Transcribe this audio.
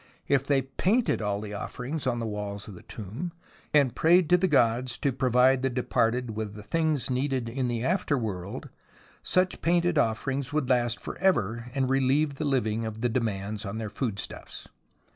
If they painted all the offerings on the walls of the tombs, and prayed to the gods to provide the departed with the things needed in the afterworld, such painted offerings would last for ever, and relieve the living of the demands on their foodstuffs.